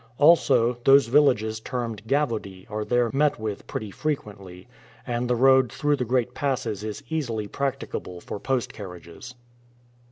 Also, those villages termed "gavody" are there met with pretty frequently, and the road through the great passes is easily practicable for post carriages.